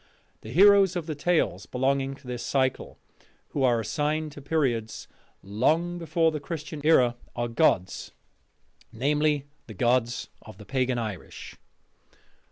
The heroes of the tales belonging to this cycle, who are assigned to periods long before the Christian era, are gods, namely, the gods of the pagan Irish.